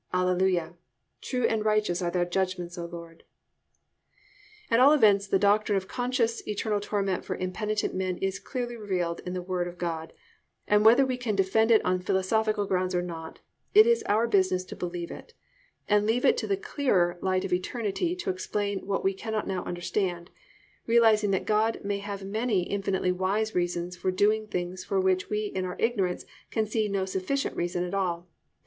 Hallelujah! True and righteous are thy judgments, O Lord!" At all events the doctrine of conscious, eternal torment for impenitent men is clearly revealed in the Word of God, and whether we can defend it on philosophical grounds or not, it is our business to believe it; and leave it to the clearer light of eternity to explain what we cannot now understand, realising that God may have many infinitely wise reasons for doing things for which we in our ignorance can see no sufficient reason at all.